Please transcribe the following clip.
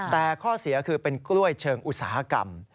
แต่ข้อเสียคือเป็นกล้วยเชิงอุตสาหกรรม